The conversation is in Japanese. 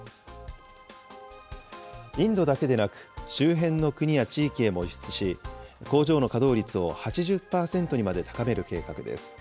インドだけでなく、周辺の国や地域へも輸出し、工場の稼働率を８０％にまで高める計画です。